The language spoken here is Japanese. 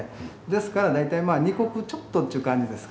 ですから大体まあ２石ちょっとっちゅう感じですかね。